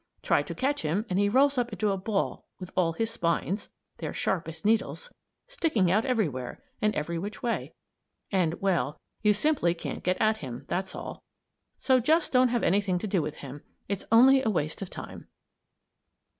Try to catch him and he rolls up into a ball with all his spines they're sharp as needles sticking out everywhere, and every which way. And well, you simply can't get at him, that's all. So just don't have anything to do with him. It's only a waste of time."